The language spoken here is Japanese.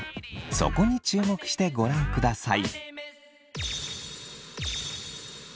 そこに注目してご覧ください。